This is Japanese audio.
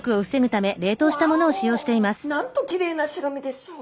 なんときれいな白身でしょう。